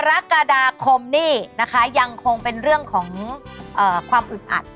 กรกฎาคมนี่นะคะยังคงเป็นเรื่องของความอึดอัด